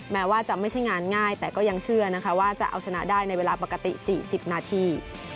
แม้ว่าจะไม่ใช่งานง่ายแต่ก็ยังเชื่อนะคะว่าจะเอาชนะได้ในเวลาปกติ๔๐นาที